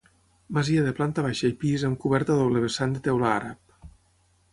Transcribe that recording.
Masia de planta baixa i pis amb coberta a doble vessant de teula àrab.